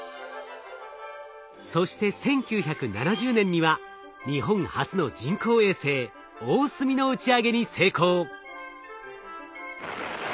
そして１９７０年には日本初の人工衛星「おおすみ」の打ち上げに成功。